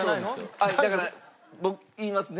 あっだから言いますね。